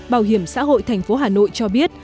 bảo hiểm xã hội thành phố hà nội cho biết